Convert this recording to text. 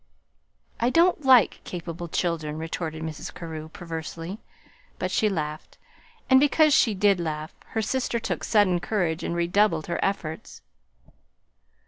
"I don't like 'capable' children," retorted Mrs. Carew perversely but she laughed; and because she did laugh, her sister took sudden courage and redoubled her efforts.